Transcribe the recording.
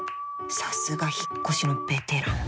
さすが引っ越しのベテラン。